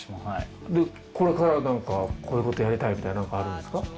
でこれからなんかこういうことやりたいみたいななんかあるんですか？